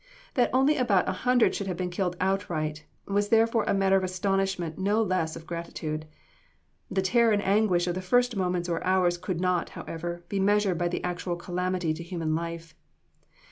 That only about a hundred should have been killed outright, was therefore a matter of astonishment no less than of gratitude. The terror and anguish of the first moments or hours could not, however, be measured by the actual calamity to human life.